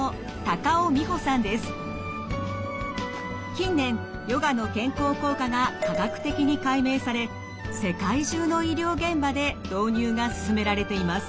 近年ヨガの健康効果が科学的に解明され世界中の医療現場で導入が進められています。